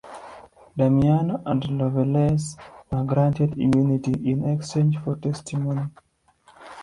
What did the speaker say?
Damiano and Lovelace were granted immunity in exchange for testimony.